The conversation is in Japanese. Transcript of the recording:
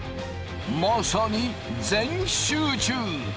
まさに全集中！